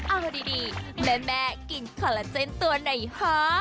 เอาดีแม่กินคาลาเจนตัวไหนคะ